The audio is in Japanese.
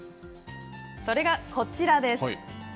それがこちらです。